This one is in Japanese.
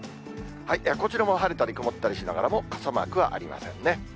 こちらも晴れたり曇ったりしながらも、傘マークはありませんね。